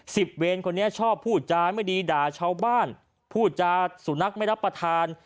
เวรคนนี้ชอบพูดจาไม่ดีด่าชาวบ้านพูดจาสุนัขไม่รับประทาน